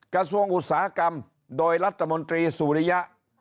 กระทรวงอุตสาหกรรมโดยรัฐมนตรีสุริยะ